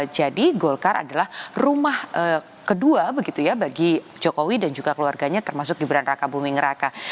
jadi golkar adalah rumah kedua begitu ya bagi jokowi dan juga keluarganya termasuk gibran raka buming raka